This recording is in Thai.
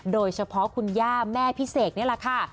โดยเฉพาะคุณย่าแม่พิเศษนี่แหละค่ะ